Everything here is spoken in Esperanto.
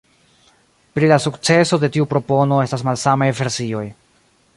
Pri la sukceso de tiu propono estas malsamaj versioj.